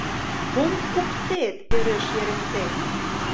— Мом куктет? — ӧреш Еренте.